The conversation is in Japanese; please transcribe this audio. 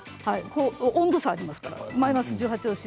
温度差がありますから。